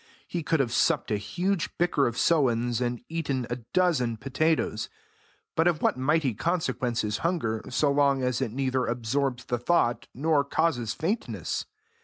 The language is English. He could have supped a huge bicker of sowens, and eaten a dozen potatoes; but of what mighty consequence is hunger, so long as it neither absorbs the thought, nor causes faintness?